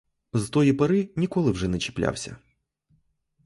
З тої пори ніколи вже не чіплявся.